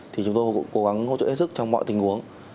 thì chúng tôi cũng cố gắng hỗ trợ hết sức trong mọi tình huống